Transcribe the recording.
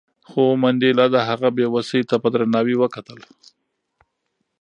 خو منډېلا د هغه بې وسۍ ته په درناوي وکتل.